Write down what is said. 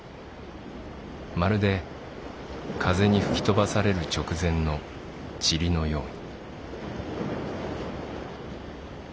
まるで風にふきとばされる直前の塵のように」。